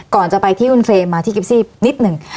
ก่อนจะไปที่คุณเฟรมมาที่กิฟซี่นิดหนึ่ง